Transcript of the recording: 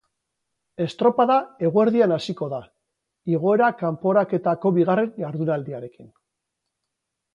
Estropada eguerdian hasiko da, igoera kanporaketako bigarren jardunaldiarekin.